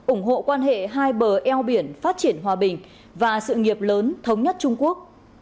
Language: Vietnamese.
ủng hộ quan hệ hai bờ eo biển phát triển hòa bình và sự nghiệp lớn thống nhất trung quốc